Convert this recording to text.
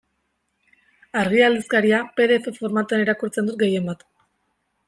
Argia aldizkaria pe de efe formatuan irakurtzen dut gehienbat.